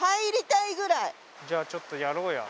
じゃあちょっとやろうや。